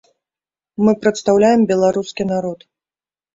Мы прадстаўляем беларускі народ.